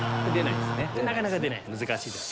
なかなか出ない難しいです。